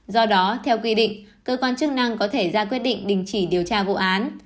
do đó theo quy định cơ quan chức năng có thể ra quyết định đình chỉ điều tra vụ án